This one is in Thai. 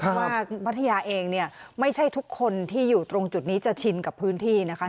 พัทยาเองเนี่ยไม่ใช่ทุกคนที่อยู่ตรงจุดนี้จะชินกับพื้นที่นะคะ